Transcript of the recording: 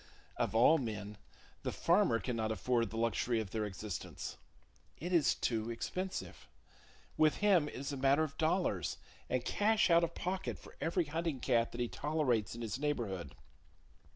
Of all men, the farmer cannot afford the luxury of their existence! It is too expensive. With him it is a matter of dollars, and cash out of pocket for every hunting cat that he tolerates in his neighborhood.